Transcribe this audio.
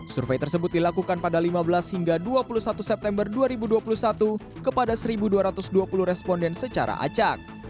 survei tersebut dilakukan pada lima belas hingga dua puluh satu september dua ribu dua puluh satu kepada satu dua ratus dua puluh responden secara acak